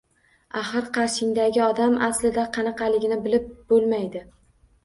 Axir qarshingdagi odam aslida qanaqaligini bilib bo‘lmaydi